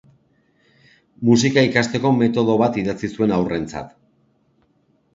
Musika ikasteko metodo bat idatzi zuen haurrentzat.